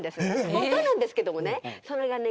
本当なんですけどもねそれがね